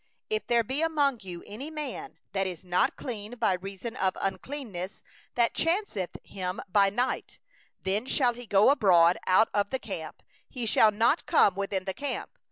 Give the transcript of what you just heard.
11If there be among you any man, that is not clean by reason of that which chanceth him by night, then shall he go abroad out of the camp, he shall not come within the camp.